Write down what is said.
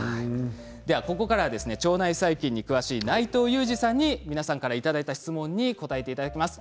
ここからは腸内細菌に詳しい内藤裕二さんに皆さんからいただいた質問に答えていただきます。